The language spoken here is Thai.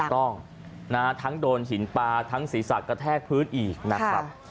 ถูกต้องทั้งโดนหินปลาทั้งศีรษะกระแทกพื้นอีกนะครับ